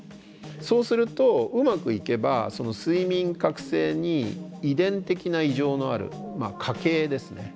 そうするとうまくいけば睡眠覚醒に遺伝的な異常のある家系ですね